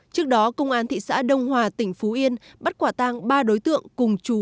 trước đó công an thị xã đông hòa tỉnh phú yên bắt quả tang ba đối tượng cùng chú